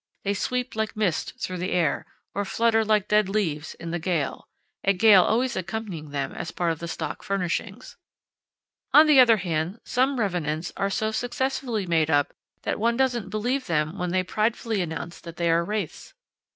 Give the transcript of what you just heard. They sweep like mist through the air, or flutter like dead leaves in the gale a gale always accompanying them as part of the stock furnishings. On the other hand, some revenants are so successfully made up that one doesn't believe them when they pridefully announce that they are wraiths.